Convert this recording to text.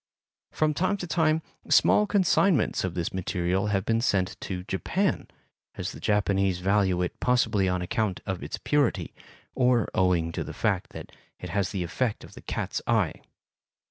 From time to time small consignments of this material have been sent to Japan, as the Japanese value it possibly on account of its purity, or owing to the fact that it has the effect of the cat's eye.